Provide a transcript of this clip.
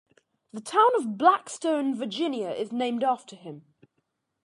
The town of Blackstone, Virginia is named after him.